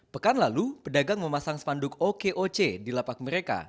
pekan lalu pedagang memasang spanduk okoc di lapak mereka